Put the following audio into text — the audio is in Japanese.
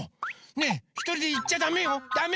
ねえひとりでいっちゃダメよダメ！